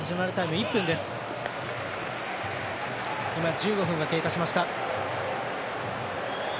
１５分が経過しました。